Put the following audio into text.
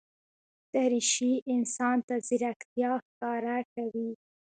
دریشي انسان ته ځیرکتیا ښکاره کوي.